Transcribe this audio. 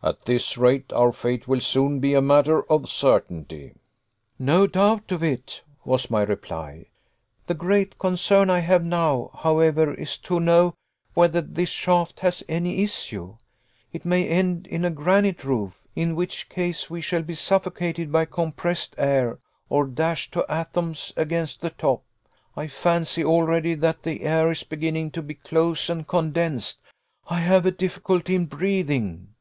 At this rate, our fate will soon be a matter of certainty." "No doubt of it," was my reply. "The great concern I have now, however, is to know whether this shaft has any issue. It may end in a granite roof in which case we shall be suffocated by compressed air, or dashed to atoms against the top. I fancy, already, that the air is beginning to be close and condensed. I have a difficulty in breathing."